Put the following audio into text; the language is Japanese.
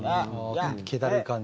けだるい感じ。